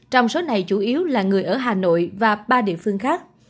trong số này chủ yếu là người ở hà nội và ba địa phương khác